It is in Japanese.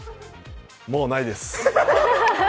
もうないです。